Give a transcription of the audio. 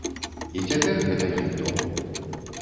І цяпер гэта іх дом.